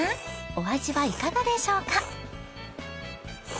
お味はいかがでしょうか？